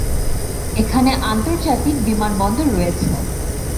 এখানে আন্তর্জাতিক বিমানবন্দর রয়েছে।